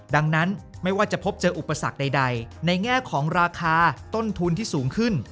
ดังนั้นไม่ว่าจะพบเจออุปสรรคใดในแง่ของราคาต้นทุนที่สูงขึ้น